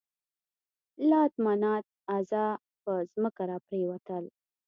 لات، منات، عزا پر ځمکه را پرېوتل.